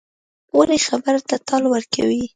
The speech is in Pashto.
وړې خبرې ته ټال ورکوي.